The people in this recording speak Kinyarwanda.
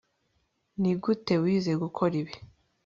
Nigute wize gukora ibi